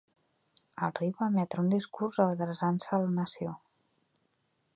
El rei va emetre un discurs adreçant-se a la nació.